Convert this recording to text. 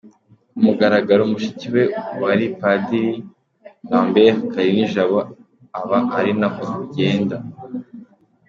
kumugaragaro mushiki we uwari padiri Lambert Kalinijabo aba ari nako bigenda.